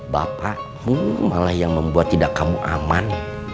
bapakmu malah yang membuat tidak kamu aman